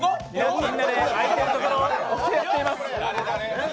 みんなで空いているところを教えています。